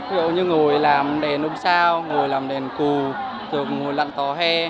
ví dụ như ngồi làm đèn ôm sao ngồi làm đèn cù ngồi lặn tòa he